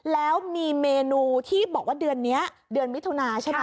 แล้วมีเมนูที่บอกว่าเดือนนี้เดือนมิถุนาใช่ไหม